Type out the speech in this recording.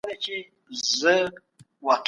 تاسي په خپل موبایل کي د لغتونو ذخیره څنګه ساتئ؟